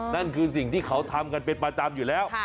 นั่นคือสิ่งที่เขาทำกันเป็นประจำอยู่แล้ว